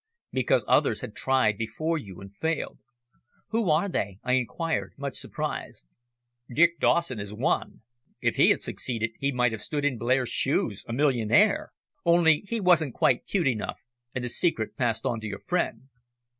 "Because others had tried before you and failed." "Who are they?" I inquired, much surprised. "Dick Dawson is one. If he had succeeded he might have stood in Blair's shoes a millionaire. Only he wasn't quite cute enough, and the secret passed on to your friend."